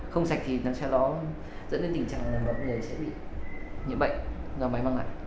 không sạch thì nó sẽ dẫn đến tình trạng mà mọi người sẽ bị nhiễm bệnh do máy mang lại